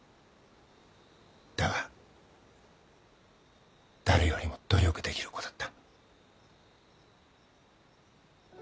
だが誰よりも努力できる子だった。